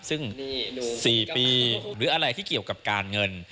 ซึ่ง๔ปีหรืออะไรที่เกี่ยวกับการเงิน